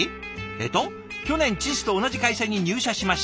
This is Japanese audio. えっと「去年父と同じ会社に入社しました。